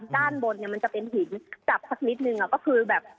ด้านบนเนี่ยมันจะเป็นหินจับสักนิดนึงก็คือแบบ